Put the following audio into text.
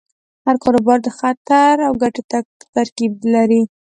هر کاروبار د خطر او ګټې ترکیب لري.